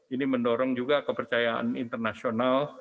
ini mendorong juga kepercayaan internasional